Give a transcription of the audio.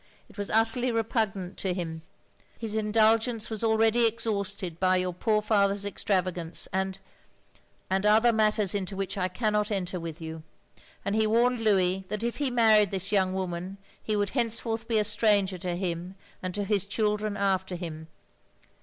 It was utterly repugnant to OF GROSVENOR SQUARE 31 him. His indtilgence was already exhausted by yotir poor father's extravagance and — ^and other matters into which I cannot enter with you; and he warned Louis that if he married this young woman he would henceforth be a stranger to him and to his children after him.